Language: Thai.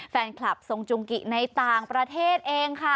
แฟนคลับทรงจุงกิในต่างประเทศเองค่ะ